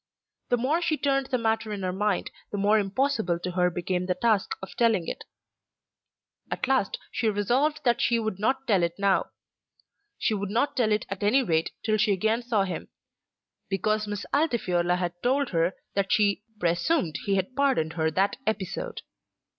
The more she turned the matter in her mind, the more impossible to her became the task of telling it. At last she resolved that she would not tell it now. She would not tell it at any rate till she again saw him, because Miss Altifiorla had told her that she "presumed he had pardoned her that episode."